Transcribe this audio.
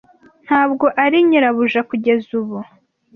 ntabwo ari nyirabuja kugeza ubu